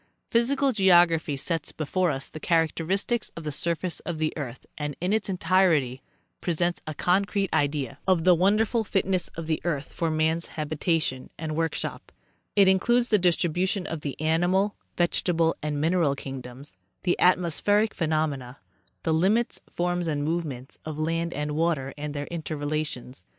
Physical geography sets before us the characteristics of the surface of the earth, and in its entirety presents a concrete idea The Field of physical and economic Geography. 205 of the wonderful fitness of the earth for man's habitation and workshop. It includes the distribution of the animal, vegetal and mineral kingdoms ; the atmospheric phenomena ; the limits, forms and movements of land and water and their interrelations.